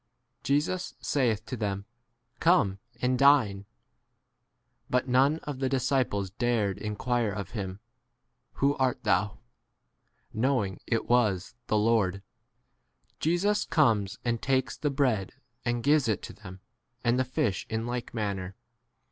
Jesus saith to them, Come and dine. But none of the disciples dared in quire of him, Who art thou '? 13 knowing it was v the Lord. Jesus w comes and takes the bread and gives it to them, and the 14 fish in like manner.